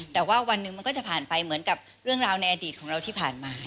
แต่ว่าวันหนึ่งมันก็จะผ่านไปเหมือนกับเรื่องราวในอดีตของเราที่ผ่านมา